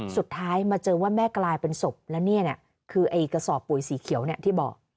สุดท้ายมาเจอว่าแม่กลายเป็นศพแล้วเนี่ยคือไอ้กระสอบปุ๋ยสีเขียวเนี่ยที่บอก